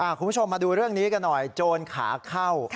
คุณผู้ชมมาดูเรื่องนี้กันหน่อยโจรขาเข้า